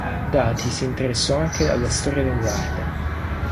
Dati si interessò anche alla storia dell'arte.